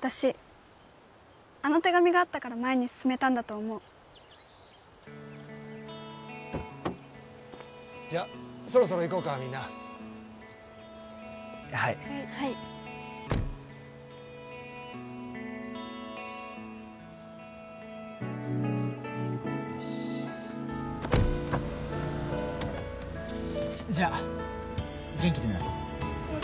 私あの手紙があったから前に進めたんだと思う・じゃあそろそろ行こうかみんなはいはいよしっじゃあ元気でなうん